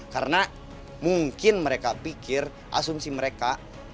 karena mungkin mereka pikir asumsi mereka